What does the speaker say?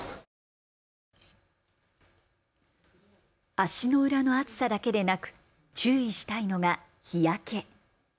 足の裏の熱さだけでなく注意したいのが日焼け。